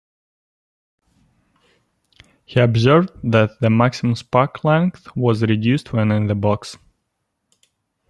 He observed that the maximum spark length was reduced when in the box.